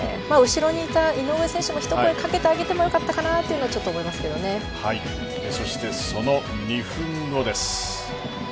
後ろにいた井上選手もひと声かけてあげてもよかったかなとはその２分後です。